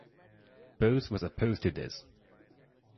Bose was opposed to this.